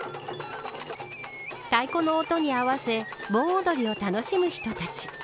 太鼓の音に合わせ盆踊りを楽しむ人たち。